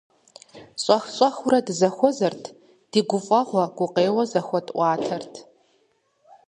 Щӏэх-щӏэхыурэ дызэхуэзэрт, ди гуфӀэгъуэ, гукъеуэ зэхуэтӀуатэрт.